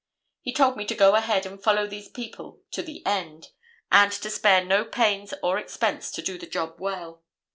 He told me to go ahead and follow these people to the end, and to spare no pains or expense to do the job well.